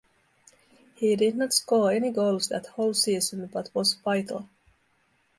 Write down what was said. He did not score any goals that whole season but was vital.